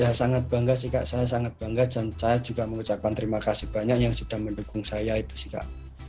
ya sangat bangga sih kak saya sangat bangga dan saya juga mengucapkan terima kasih banyak yang sudah mendukung saya itu sih kak